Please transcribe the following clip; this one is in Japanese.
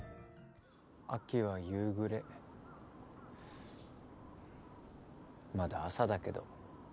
「秋は夕暮れ」「まだ朝だけど」